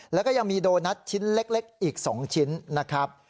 แล้วก็ยังมีโดนัทชิ้นเล็กอีก๒ชิ้นนะครับ